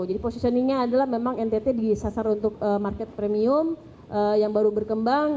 jadi positioningnya adalah memang ntt disasar untuk market premium yang baru berkembang